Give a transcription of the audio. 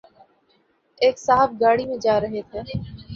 ایک صاحب گاڑی میں جارہے تھے